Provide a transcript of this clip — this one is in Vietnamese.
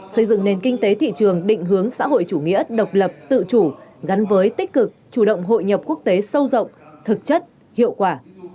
xây dựng nền kinh tế thị trường định hướng xã hội chủ nghĩa độc lập tự chủ gắn với tích cực chủ động hội nhập quốc tế sâu rộng thực chất hiệu quả